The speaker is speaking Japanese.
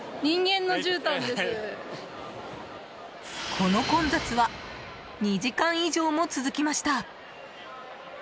この混雑は２時間以上も続きました。